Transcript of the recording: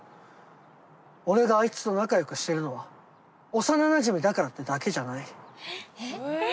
俺があいつと仲良くしてるのは幼なじみだからってだけじゃない。